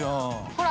◆ほら。